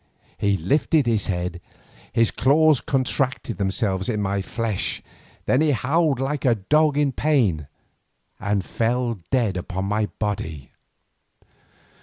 He lifted his head, his claws contracted themselves in my flesh, then he howled like a dog in pain and fell dead upon my body.